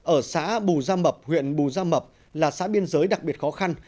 ở xã bù gia mập huyện bù gia mập là xã biên giới đặc biệt khó khăn